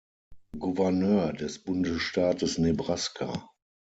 Gouverneur des Bundesstaates Nebraska.